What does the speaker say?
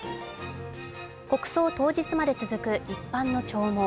国葬当日まで続く一般の弔問。